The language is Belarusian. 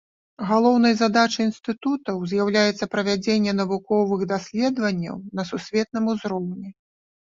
Галоўнай задачай інстытутаў з'яўляецца правядзенне навуковых даследаванняў на сусветным узроўні.